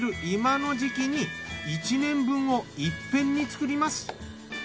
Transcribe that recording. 今の時期に１年分をいっぺんに作ります。